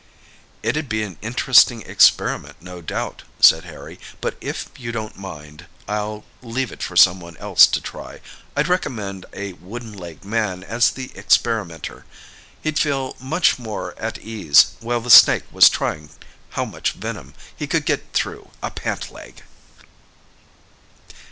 "It'd be an interesting experiment, no doubt," said Harry. "But, if you don't mind, I'll leave it for someone else to try. I'd recommend a wooden legged man as the experimenter. He'd feel much more at his ease while the snake was trying how much venom he could get through a pant leg!"